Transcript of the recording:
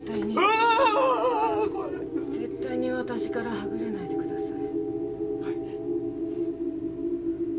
絶対に絶対に私からはぐれないでください。